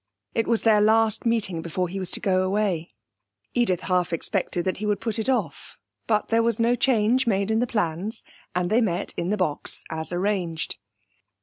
It was their last meeting before he was to go away, Edith half expected that he would put it off, but there was no change made in the plans, and they met in the box as arranged.